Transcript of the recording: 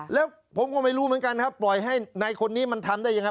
แล้วผมก็ไม่รู้เหมือนกันครับปล่อยให้ในคนนี้มันทำได้ยังไง